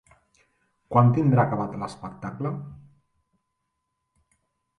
Quan tindrà acabat l'espectacle?